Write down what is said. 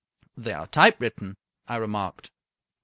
" They are typewritten," I remarked.